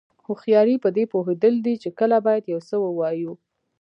هوښیاري پدې پوهېدل دي چې کله باید یو څه ووایو.